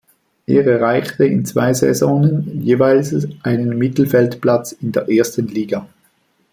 Er erreichte in zwei Saisonen jeweils einen Mittelfeldplatz in der Ersten Liga.